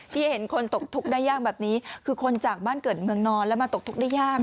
ที่เห็นคนตกทุกข์ได้ยากแบบนี้คือคนจากบ้านเกิดเมืองนอนแล้วมาตกทุกข์ได้ยาก